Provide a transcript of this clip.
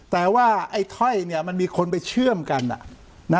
แต่ว่าไอ้ถ้อยมันมีคนไปเชื่อมกัน